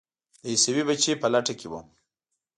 د عیسوي بچي په لټه کې وم.